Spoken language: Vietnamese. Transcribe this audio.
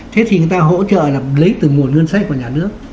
thế thì người ta hỗ trợ là lấy từ nguồn ngân sách của nhà nước